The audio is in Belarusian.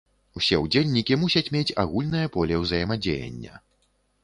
Усе ўдзельнікі мусяць мець агульнае поле ўзаемадзеяння.